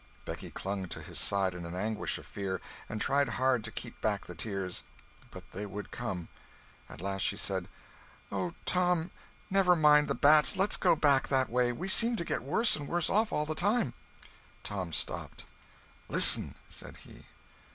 Becky clung to his side in an anguish of fear, and tried hard to keep back the tears, but they would come. At last she said: "Oh, Tom, never mind the bats, let's go back that way! We seem to get worse and worse off all the time." "Listen!" said he.